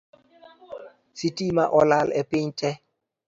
Sitima olal e piny tee